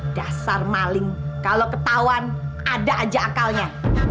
dasar maling kalau ketahuan ada aja akalnya